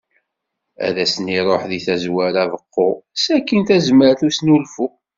Ad as-iruḥ deg tazwara beqqu, sakkin tazmert i usnulfu.